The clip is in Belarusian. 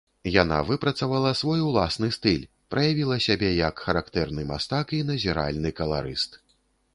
Яна выпрацавала свой уласны стыль, праявіла сябе як характэрны мастак і назіральны каларыст.